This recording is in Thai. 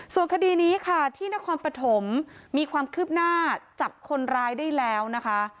ส่วนคดีนี้ค่ะที่นครปฐมมีความคืบหน้าจับคนร้ายได้แล้วนะคะ